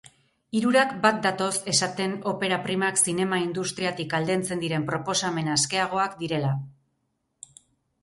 Hirurak bat datoz esaten opera primak zinema industriatik aldentzen diren proposamen askeagoak direla.